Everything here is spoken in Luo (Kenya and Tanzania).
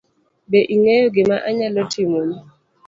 Be ing'eyo gima anyalo timoni?